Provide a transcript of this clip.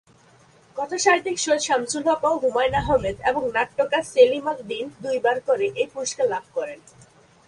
কথাসাহিত্যিক সৈয়দ শামসুল হক ও হুমায়ূন আহমেদ এবং নাট্যকার সেলিম আল দীন দুই বার করে এই পুরস্কার লাভ করেন।